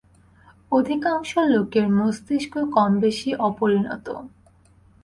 অধিকাংশ লোকের মস্তিষ্ক কমবেশী অপরিণত।